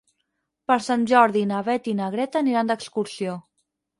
Per Sant Jordi na Beth i na Greta aniran d'excursió.